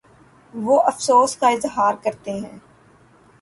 وہ افسوس کا اظہارکرتے ہیں